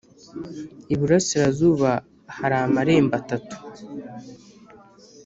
Iburasirazuba hari amarembo atatu